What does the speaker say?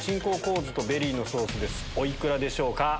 お幾らでしょうか？